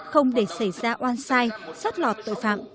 không để xảy ra oan sai sót lọt tội phạm